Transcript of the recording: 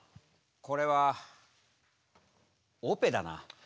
これはオペだな。